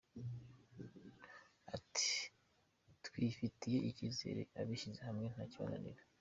Ati “ Twifitiye icyizere; abishyize hamwe nta kibananira.